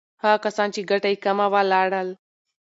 هغه کسان چې ګټه یې کمه وه، لاړل.